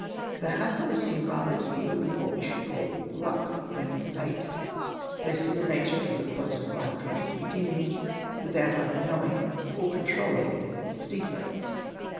^ The Hathors seem rather to deal with what we should call luck than with fate : they see the nature of the close of life from its beginning, without either knowing or controlling its details.